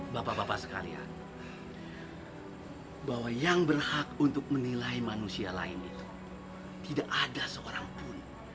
bapak bapak sekalian bahwa yang berhak untuk menilai manusia lain itu tidak ada seorang pun